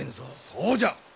そうじゃ！